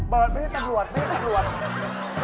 เบิร์ทไม่ใช่สังหลวดไม่ใช่สังหลวด